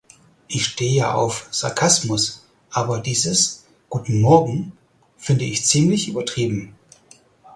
Ich steh ja auf Sarkasmus, aber dieses “Guten Morgen” find ich ziemlich übertrieben.